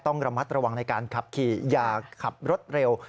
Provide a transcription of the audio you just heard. ต้องระมัดระวังในการขับขี่อย่าขับรถเร็ว